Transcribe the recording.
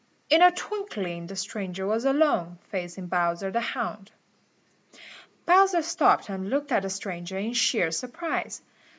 In a twinkling the stranger was alone, facing Bowser the Hound. Bowser stopped and looked at the stranger in sheer surprise.